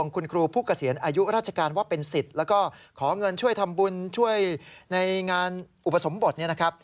ขอเงินช่วยทำบุญช่วยในงานอุปสรรมบทนี่นะครับ